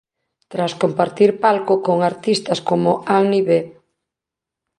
Tras compartir palco con artistas como Annie B.